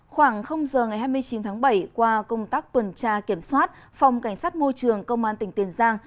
khoảng giờ ngày hai mươi chín tháng bảy qua công tác tuần tra kiểm soát phòng cảnh sát môi trường công an tỉnh tiền giang